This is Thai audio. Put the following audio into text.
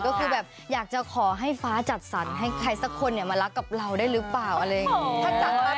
ก็คือแบบอยากจะขอให้ฟ้าจัดสรรให้ใครสักคนมารักกับเราได้หรือเปล่าอะไรอย่างนี้